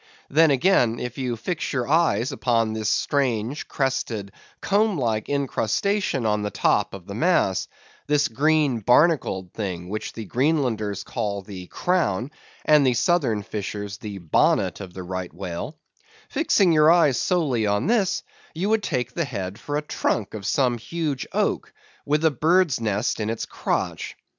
Then, again, if you fix your eye upon this strange, crested, comb like incrustation on the top of the mass—this green, barnacled thing, which the Greenlanders call the "crown," and the Southern fishers the "bonnet" of the Right Whale; fixing your eyes solely on this, you would take the head for the trunk of some huge oak, with a bird's nest in its crotch.